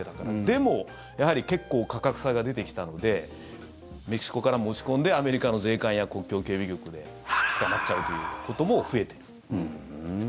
でも、やはり結構価格差が出てきたのでメキシコから持ち込んでアメリカの税関や国境警備局で捕まっちゃうということも増えている。